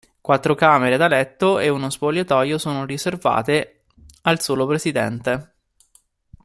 Quattro camere da letto e uno spogliatoio sono riservate al solo presidente.